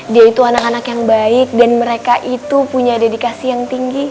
dia itu anak anak yang baik dan mereka itu punya dedikasi yang tinggi